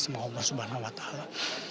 semoga allah subhanahu wa ta'ala